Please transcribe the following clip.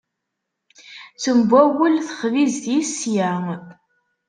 Tembawel texbizt-is sya.